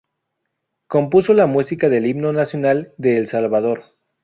Compuso la música del Himno Nacional de El Salvador.